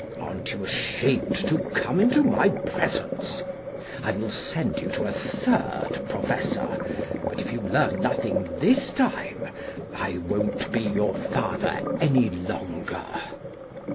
Aren't you ashamed to come into my presence? I will send you to a third Professor, but if you learn nothing this time, I won't be your father any longer.'